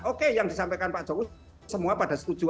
oke yang disampaikan pak jokowi semua pada setuju